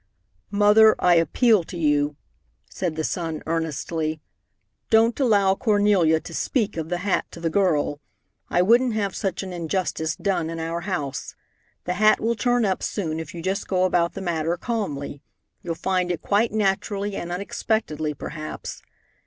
"Mother, I appeal to you," said the son earnestly. "Don't allow Cornelia to speak of the hat to the girl. I wouldn't have such an injustice done in our house. The hat will turn up soon if you just go about the matter calmly. You'll find it quite naturally and unexpectedly, perhaps.